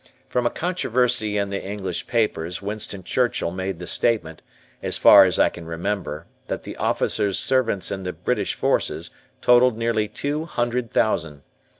From a controversy in the English papers, Winston Churchill made the statement, as far as I can remember, that the officers' servants in the British forces totaled nearly two hundred thousand.